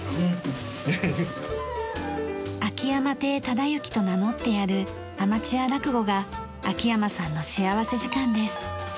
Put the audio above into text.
忠之と名乗ってやるアマチュア落語が秋山さんの幸福時間です。